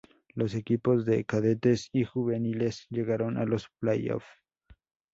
Los equipos de Cadetes y Juveniles llegaron a los play-off.